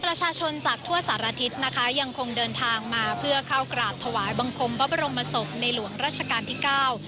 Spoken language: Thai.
ประชาชนจากทั่วสารทิศนะคะยังคงเดินทางมาเพื่อเข้ากราบถวายบังคมพระบรมศพในหลวงราชการที่เก้า